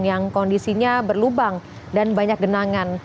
yang kondisinya berlubang dan banyak genangan